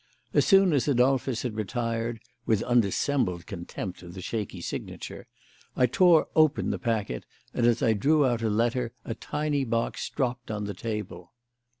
As soon as Adolphus had retired (with undissembled contempt of the shaky signature) I tore open the packet, and as I drew out a letter a tiny box dropped on the table.